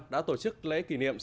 đã tổ chức lễ kỷ niệm